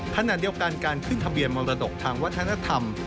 ขณะเดียวกันการขึ้นทะเบียนมรดกทางวัฒนธรรม